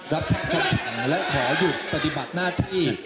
รับสั่งและขอหยุดปฏิบัติหน้าที่